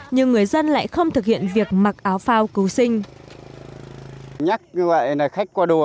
nhưng người dân lại không thực hiện việc mặc áo phao cứu sinh